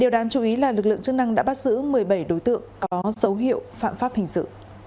các lực lượng chức năng đã bắt giữ một mươi bảy đối tượng có dấu hiệu phạm pháp hình dự